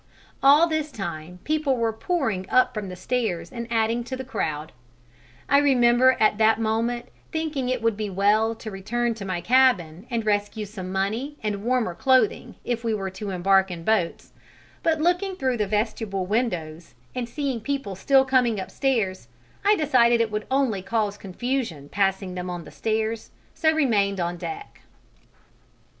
All this time people were pouring up from the stairs and adding to the crowd: I remember at that moment thinking it would be well to return to my cabin and rescue some money and warmer clothing if we were to embark in boats, but looking through the vestibule windows and seeing people still coming upstairs, I decided it would only cause confusion passing them on the stairs, and so remained on deck.